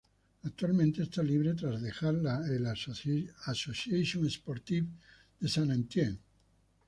Actualmente está libre tras dejar el Association Sportive de Saint-Étienne.